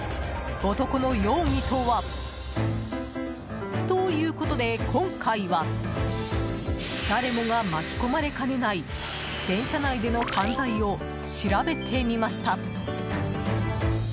男の容疑とは？ということで、今回は誰もが巻き込まれかねない電車内での犯罪を調べてみました。